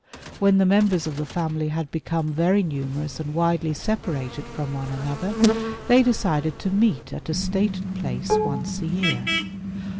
When the members of the family had become very numerous and widely separated from one another, they decided to meet at a stated place once a year.